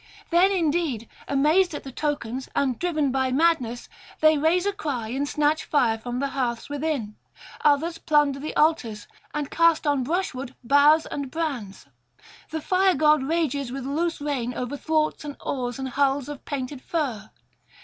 Then indeed, amazed at the tokens and driven by madness, they raise a cry and snatch fire from the [661 694]hearths within; others plunder the altars, and cast on brushwood boughs and brands. The Fire god rages with loose rein over thwarts and oars and hulls of painted fir.